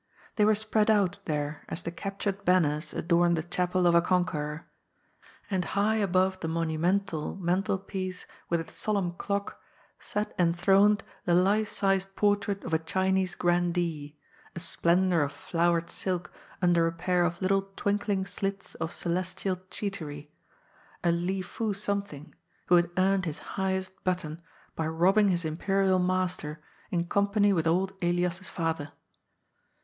They were spread out there as the captured banners adorn the chapel of a conqueror. And high above the monumental mantel piece, with its solemn clock, sat enthroned the life sized portrait of a Chinese Grandee, a splendour of flowered silk under a pair of little twinkling slits of celestial Gheat ery, a Li Foo Something, who had earned his highest but ton by robbing his Imperial Master in company with old Elias's father.